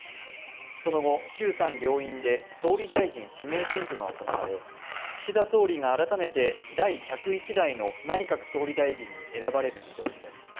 その後、衆参両院で総理大臣指名選挙が行われ岸田総理が改めて第１０１代の内閣総理大臣に選ばれる見通しです。